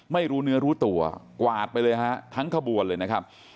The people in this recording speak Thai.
ไม่รู้เนื้อรู้ตัวกวาดไปเลยฮะทั้งขบวนเลยนะครับ